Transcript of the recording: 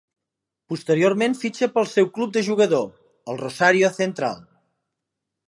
Posteriorment fitxa pel seu club de jugador, el Rosario Central.